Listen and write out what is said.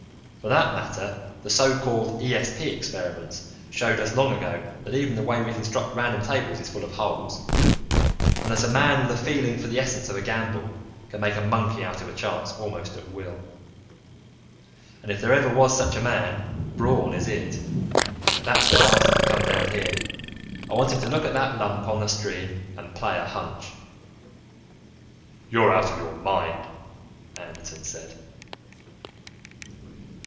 For that matter, the so called ESP experiments showed us long ago that even the way we construct random tables is full of holes and that a man with a feeling for the essence of a gamble can make a monkey out of chance almost at will. "And if there ever was such a man, Braun is it. That's why I asked him to come down here. I want him to look at that lump on the screen and play a hunch." "You're out of your mind," Anderton said.